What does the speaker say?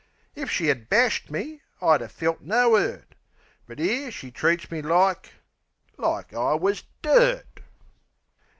If she 'ad bashed me I'd 'a felt no 'urt! But 'ere she treats me like like I wus dirt.